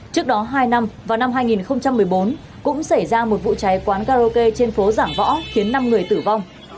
trước đó hai năm vào năm hai nghìn một mươi bốn cũng xảy ra một vụ cháy quán karaoke trên phố giảng võ khiến năm người tử vong